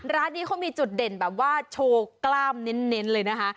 ร้านนี้เขามีจุดเด่นแบบว่าโชว์กล้ามเน้นเลยนะคะ